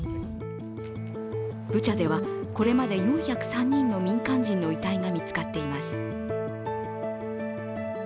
ブチャではこれまで４０３人の民間人の遺体が見つかっています。